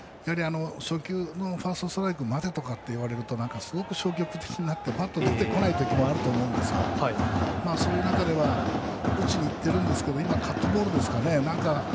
初球のファーストストライクを待てといわれると消極的になってバットが出てこないことがあるんですが打ちにいっているんですがカットボールですかね